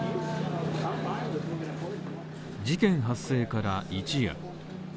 事件発生から一夜。